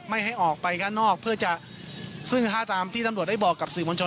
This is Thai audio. ให้ออกไปข้างนอกเพื่อจะซึ่งถ้าตามที่ตำรวจได้บอกกับสื่อมวลชน